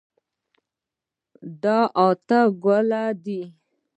دا اته ګلونه دي.